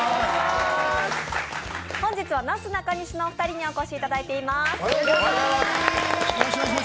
本日はなすなかにしのお二人にお越しいただいています。